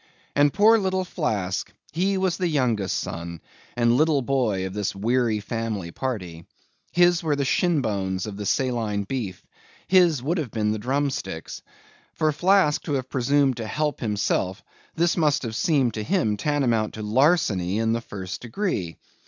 And poor little Flask, he was the youngest son, and little boy of this weary family party. His were the shinbones of the saline beef; his would have been the drumsticks. For Flask to have presumed to help himself, this must have seemed to him tantamount to larceny in the first degree.